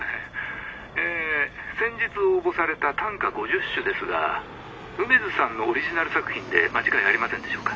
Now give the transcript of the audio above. え先日応募された短歌５０首ですが梅津さんのオリジナル作品で間違いありませんでしょうか？